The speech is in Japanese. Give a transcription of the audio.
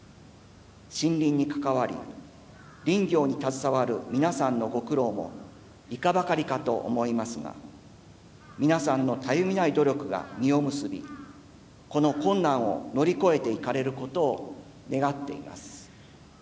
森林に関わり林業に携わる皆さんの御苦労もいかばかりかと思いますが皆さんのたゆみない努力が実を結びこの困難を乗り越えていかれることを願っています。